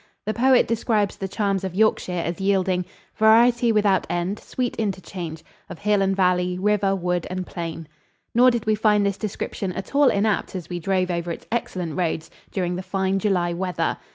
The poet describes the charms of Yorkshire as yielding "Variety without end, sweet interchange Of hill and valley, river, wood and plain." Nor did we find this description at all inapt as we drove over its excellent roads during the fine July weather.